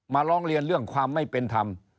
ร้องเรียนเรื่องความไม่เป็นธรรม